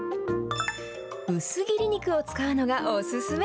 薄切り肉を使うのがお勧め。